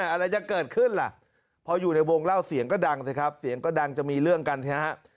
อะไรจะเกิดขึ้นล่ะพออยู่ในวงเล่าเสียงก็ดังสิครับเสียงก็ดังจะมีเรื่องกันเนี่ยฮะ